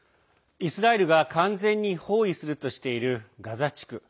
イスラエルが完全に包囲するとしているガザ地区。